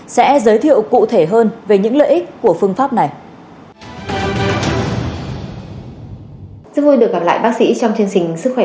xin chào và hẹn gặp lại